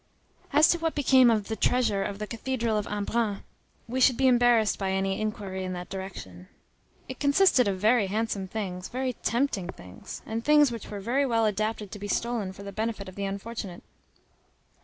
As to what became of "the treasure" of the cathedral of Embrun, we should be embarrassed by any inquiry in that direction. It consisted of very handsome things, very tempting things, and things which were very well adapted to be stolen for the benefit of the unfortunate.